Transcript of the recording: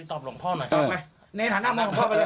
เน่นตอบหลวงพ่อหน่อยครับ